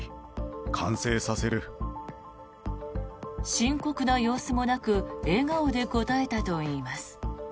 深刻な様子もなく笑顔で応えたといいます。